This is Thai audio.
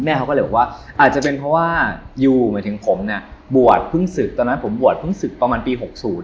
แม่เขาก็เลยว่าอาจจะเป็นเพราะว่ายูแปลงผมนะบวชพึ่งศึกตอนนั้นผมบวชพึ่งศึกประมาณปี๖๐